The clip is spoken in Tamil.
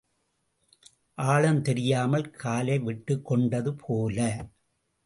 ஆழம் தெரியாமல் காலை விட்டுக் கொண்டது போல.